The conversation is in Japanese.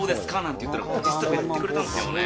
って言ったら、実際にやってくれたんですよね。